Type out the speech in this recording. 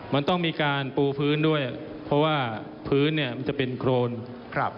มันต้องมีการปูพื้นด้วยเพราะว่าพื้นเนี่ยมันจะเป็นโครนครับ